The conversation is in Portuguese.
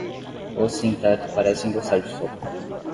Os sem-teto parecem gostar de sopa.